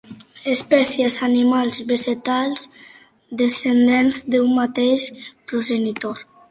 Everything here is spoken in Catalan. Espècies animals, vegetals, descendents d'un mateix progenitor.